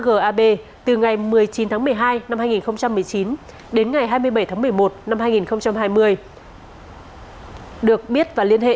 gab từ ngày một mươi chín tháng một mươi hai năm hai nghìn một mươi chín đến ngày hai mươi bảy tháng một mươi một năm hai nghìn hai được biết và liên hệ